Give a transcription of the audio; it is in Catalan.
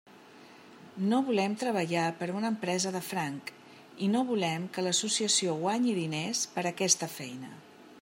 No volem treballar per a una empresa de franc i no volem que l'associació guanyi diners per aquesta feina.